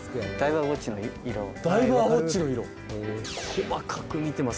細かく見てます